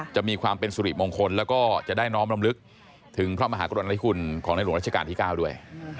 จะมีความเป็นสุริมงคลแล้วก็จะได้น้อมรำลึกถึงพระมหากรณิคุณของในหลวงราชการที่๙ด้วย